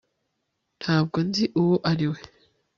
ntabwo nzi uwo ari we